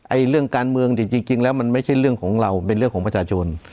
เรื่องการเมืองจริงแล้วมันไม่ใช่เรื่องของเราเป็นเรื่องของประชาชน